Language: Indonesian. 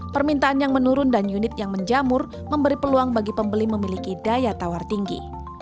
permintaan yang menurun dan unit yang menjamur memberi peluang bagi pembeli memiliki daya tawar tinggi